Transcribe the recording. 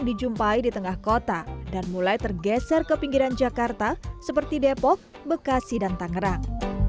dijumpai di tengah kota dan mulai tergeser ke pinggiran jakarta seperti depok bekasi dan tangerang